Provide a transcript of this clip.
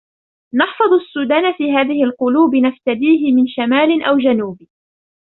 نحفظ السودان في هذي القلوب نفتديه من شمال أو جنوب